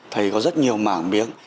thầy có rất nhiều mảng biếng